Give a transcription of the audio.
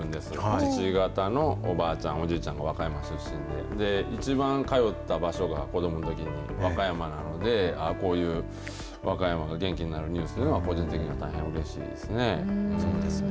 父方のおばあちゃん、おじいちゃんが和歌山出身で、一番通った場所が、子どものときに、和歌山なので、こういう和歌山が元気になるニュースは、個人的には大変うれしいそうですね。